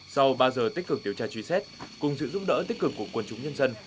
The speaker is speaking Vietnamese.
sau ba giờ tích cực điều tra truy xét cùng sự giúp đỡ tích cực của quân chúng nhân dân